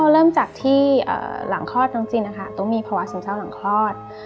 เริ่มจากที่หลังคลอดตรงจีนตุ๊กมีภาวะสมเจ้าหลังคลอด